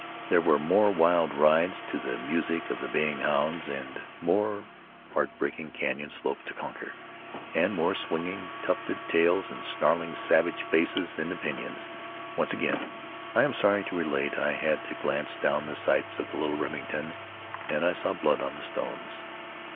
There were more wild rides to the music of the baying hounds, and more heart breaking canyon slopes to conquer, and more swinging, tufted tails and snarling savage faces in the pinyons. Once again, I am sorry to relate, I had to glance down the sights of the little Remington, and I saw blood on the stones.